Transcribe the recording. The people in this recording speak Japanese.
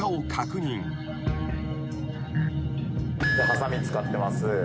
はさみ使ってます。